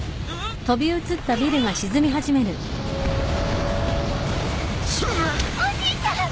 おじいちゃん！